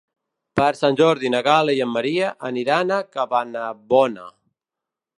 Per Sant Jordi na Gal·la i en Maria aniran a Cabanabona.